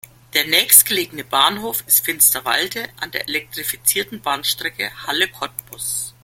Der nächstgelegene Bahnhof ist "Finsterwalde" an der elektrifizierten Bahnstrecke Halle–Cottbus.